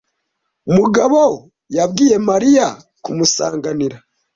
Mugabo yabwiye Mariya kumusanganira